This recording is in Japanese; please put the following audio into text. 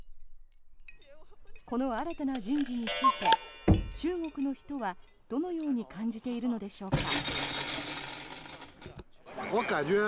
この新たな人事について中国の人はどのように感じているのでしょうか。